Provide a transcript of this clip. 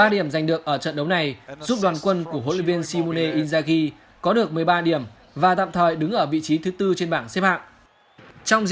ba điểm giành được ở trận đấu này giúp đoàn quân của huấn luyện viên shimune inzagi có được một mươi ba điểm và tạm thời đứng ở vị trí thứ bốn trên bảng xếp hạng